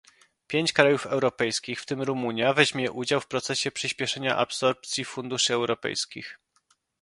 Pięć krajów europejskich, w tym Rumunia, weźmie udział w procesie przyspieszania absorpcji funduszy europejskich